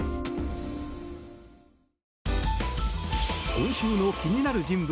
今週の気になる人物